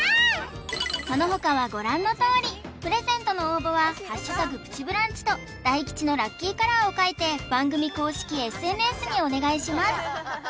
そのほかはご覧のとおりプレゼントの応募は「＃プチブランチ」と大吉のラッキーカラーを書いて番組公式ＳＮＳにお願いします